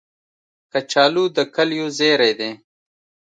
کچالو د کلیو زېری دی